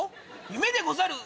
夢でござる！